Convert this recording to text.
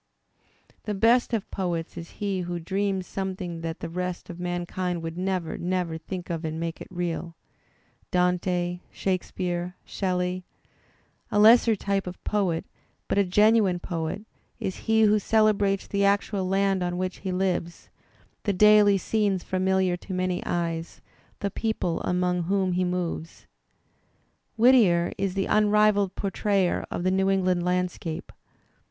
The best of poets is he who dreams something that the rest of mankind would never, never think of and makes it real — Dante, Shakespeare, Shelley. A lesser type of poet, but a genuine poet, is he who celebrates the actual land on which he lives, the daily scenes familiar to many eyes, the people among whom he moves. Whittier is the unrivalled portrayer of the New England landscape.